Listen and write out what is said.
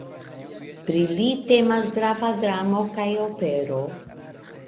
Pri li temas grava dramo kaj opero.